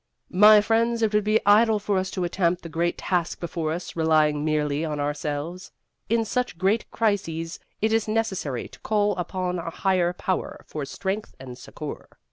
"My friends, it would be idle for us to attempt the great task before us relying merely on ourselves. In such great crises it is necessary to call upon a Higher Power for strength and succor.